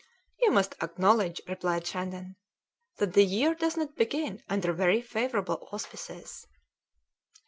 "You must acknowledge," replied Shandon, "that the year doesn't begin under very favourable auspices."